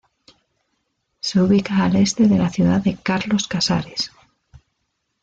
Se ubica al este de la ciudad de Carlos Casares.